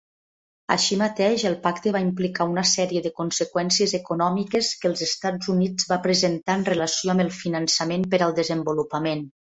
Així mateix, el pacte va implicar una sèrie de conseqüències econòmiques que els Estats Units va presentar en relació amb el finançament per al desenvolupament.